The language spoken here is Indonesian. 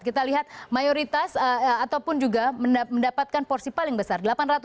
kita lihat mayoritas ataupun juga mendapatkan porsi paling besar